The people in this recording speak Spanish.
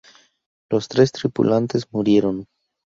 Los tres tripulantes murieron.